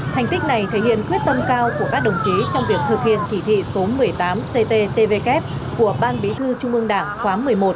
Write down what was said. thành tích này thể hiện quyết tâm cao của các đồng chí trong việc thực hiện chỉ thị số một mươi tám cttvk của ban bí thư trung ương đảng khóa một mươi một